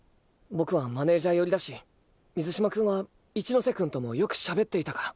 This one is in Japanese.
僕はマネージャー寄りだし水嶋君は一ノ瀬君ともよくしゃべっていたから。